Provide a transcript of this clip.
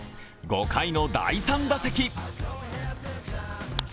５回の第３打席。